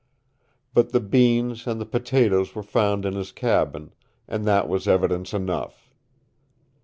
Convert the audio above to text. "But the beans and the potatoes were found in his cabin, and that was evidence enough.